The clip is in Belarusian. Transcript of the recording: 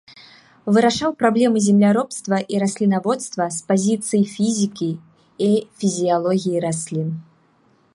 Вырашаў праблемы земляробства і раслінаводства з пазіцый фізікі і фізіялогіі раслін.